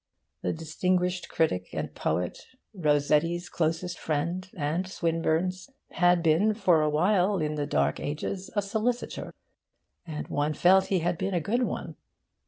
The distinguished critic and poet, Rossetti's closest friend and Swinburne's, had been, for a while, in the dark ages, a solicitor; and one felt he had been a good one.